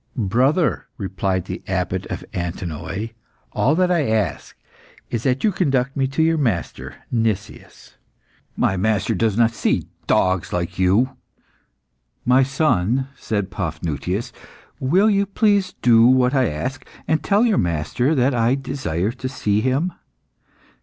"Brother," replied the Abbott of Antinoe, "all that I ask is that you conduct me to your master, Nicias." The slave replied, more angrily than before "My master does not see dogs like you." "My son," said Paphnutius, "will you please do what I ask, and tell your master that I desire to see him.